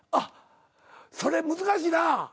それ難しいな。